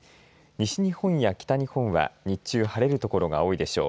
西日本や北日本は日中、晴れる所が多いでしょう。